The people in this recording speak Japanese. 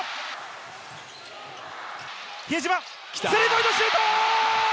比江島、スリーポイントシュート！